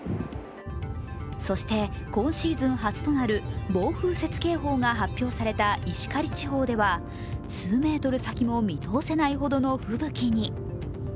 そして今シーズン初となる暴風雪警報が発表された石狩地方では数メートル先も見通せないほどの吹雪に。